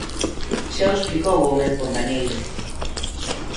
Xa o explicou o meu compañeiro.